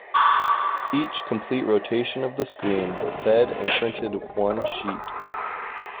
Each complete rotation of the screen fed and printed one sheet.